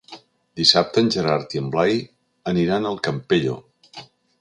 Dissabte en Gerard i en Blai aniran al Campello.